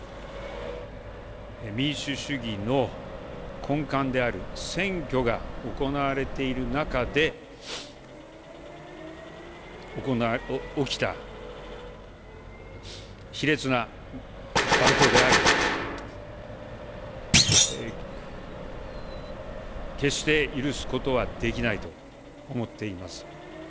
民主主義の根幹である選挙が行われている中で、起きた卑劣な蛮行であり、決して許すことはできないと思っています。